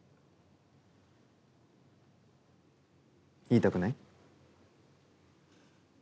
言いたくない？